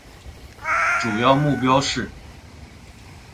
主要目标是